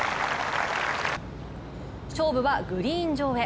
勝負はグリーン上へ。